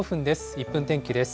１分天気です。